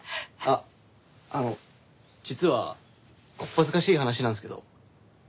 あっあの実はこっぱずかしい話なんですけど。